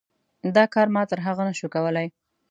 دا کار ما تر هغه نه شو کولی.